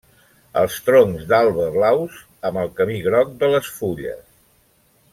Els troncs d'àlber blaus, amb el camí groc de les fulles.